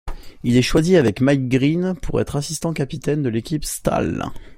Il est choisi avec Mike Green pour être assistant-capitaine de l'équipe Staal.